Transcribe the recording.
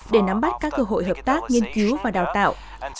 để nắm bắt các cơ hội hợp tác nghiên cứu và đào tạo